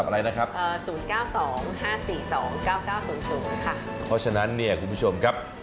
เพราะฉะนั้นเนี่ยคุณผู้ชมครับ